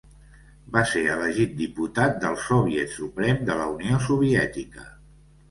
Va ser elegit diputat del Soviet Suprem de la Unió Soviètica.